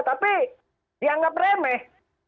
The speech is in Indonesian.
tapi dianggap remeh